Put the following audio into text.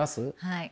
はい。